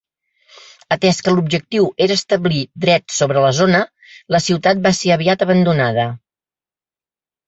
Atès que l'objectiu era establir drets sobre la zona, la ciutat va ser aviat abandonada.